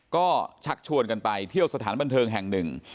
ก็ชักชวนกันไปเที่ยวสถานบันเทิงแห่งหนึ่ง